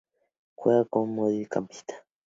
Juega como mediocampista.